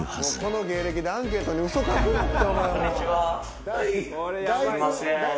「この芸歴でアンケートに嘘書くなってお前もう」